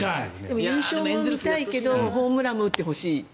でも、優勝も見たいけどホームランも打ってほしい。